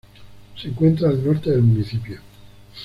Se encuentra al norte del municipio.